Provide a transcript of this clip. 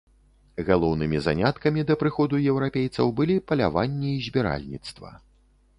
Галоўнымі заняткамі да прыходу еўрапейцаў былі паляванне і збіральніцтва.